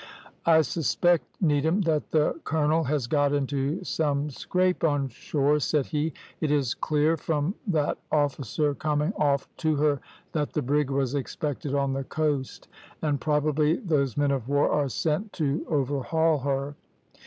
"`I suspect, Needham, that the colonel has got into some scrape on shore,' said he. `It is clear from that officer coming off to her that the brig was expected on the coast, and probably those men of war are sent to overhaul her.